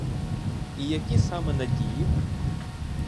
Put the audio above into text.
І які саме надії?